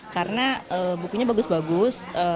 karena bukunya bagus bagus